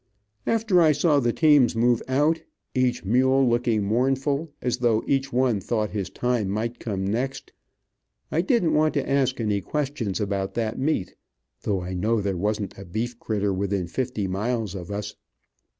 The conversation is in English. After I saw the teams move out, each mule looking mournful, as though each one thought his time might come next, I didn't want to ask any questions about that meat, though I know there wasn't a beef critter within fifty miles of us.